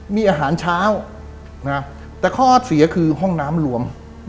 มีอาหารเช้าแต่ข้อเสียคือห้องน้ำรวม